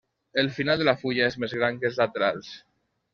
El final de la fulla és més gran que els laterals.